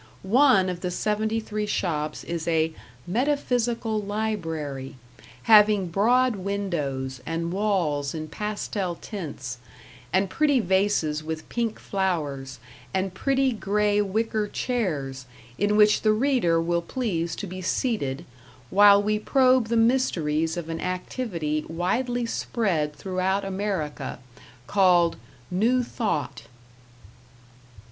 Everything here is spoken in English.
One of the seventy three shops is a "Metaphysical Library", having broad windows, and walls in pastel tints, and pretty vases with pink flowers, and pretty gray wicker chairs in which the reader will please to be seated, while we probe the mysteries of an activity widely spread throughout America, called "New Thought."